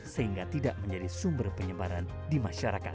sehingga tidak menjadi sumber penyebaran di masyarakat